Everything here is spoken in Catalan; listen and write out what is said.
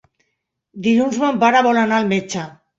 Dilluns mon pare vol anar al metge.